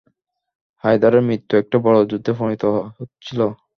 হায়দারের মৃত্যু একটা বড় যুদ্ধে পরিণত হচ্ছিল।